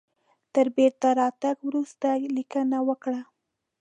تر بیرته راتګ وروسته لیکنه وکړه.